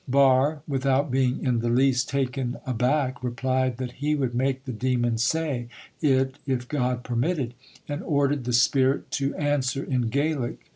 Barre, without being in the least taken aback, replied that he would make the demon say it if God permitted, and ordered the spirit to answer in Gaelic.